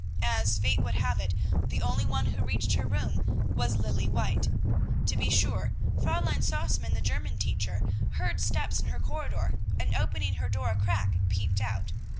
As fate would have it, the only one who reached her room was Lilly White. To be sure, Fräulein Sausmann, the German teacher, heard steps in her corridor, and, opening her door a crack, peeped out.